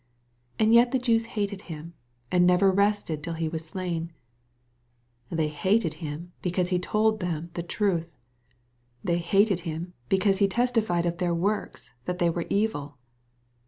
And yet the Jews hatfed Him, and never rested till He was slain 1 They hated Him, because He told them the truth. They hated Him, because He testified of their works that they were evil.